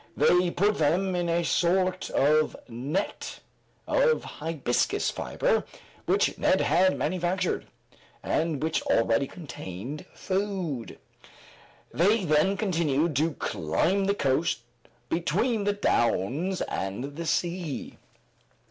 They put them in a sort of net of hibiscus fiber, which Neb had manufactured, and which already contained food; they then continued to climb the coast between the downs and the sea.